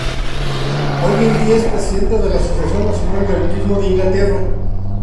Hoy en día es Presidenta de la Asociación Nacional de Autismo de Inglaterra.